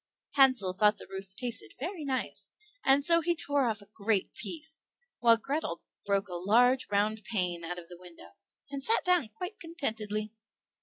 Hansel thought the roof tasted very nice, and so he tore off a great piece; while Grethel broke a large round pane out of the window, and sat down quite contentedly.